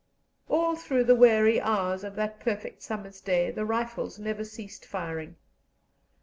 All through the weary hours of that perfect summer's day the rifles never ceased firing.